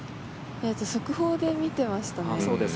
速報で見てましたね。